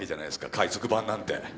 海賊版なんて。